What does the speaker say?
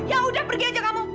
ya udah pergi aja kamu